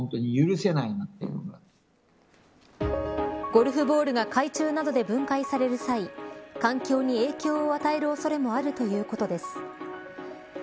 ゴルフボールが海中などで分解される際環境に影響を与える恐れもあるということです。